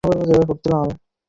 তারপর মাথা নেড়ে বলল, না।